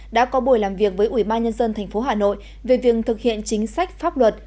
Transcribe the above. đã có buổi làm việc với ủy ban nhân dân tp hà nội về việc thực hiện chính sách pháp luật